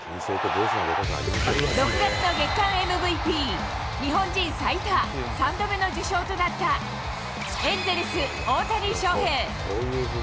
６月の月間ＭＶＰ、日本人最多３度目の受賞となったエンゼルス、大谷翔平。